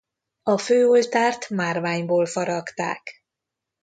A főoltárt márványból faragták.